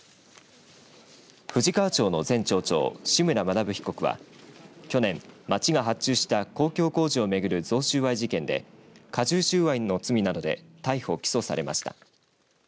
富士川町の前町長志村学被告は、去年町が発注した公共工事をめぐる贈収賄事件で加重収賄の罪などで逮捕、起訴されました。